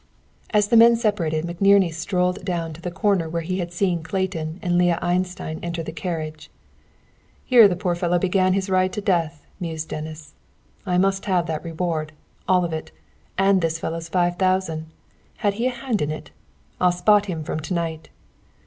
As the men separated McNerney strolled down to the corner where he had seen Clayton and Leah Einstein enter the carriage. "Here the poor fellow began his ride to death," mused Dennis. "I must have that reward all of it and this fellow's five thousand. Had he a hand in it? I'll spot him from to night.